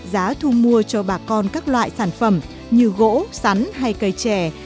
giá thu mua cho bà con các loại sản phẩm như gỗ sắn hay cây chè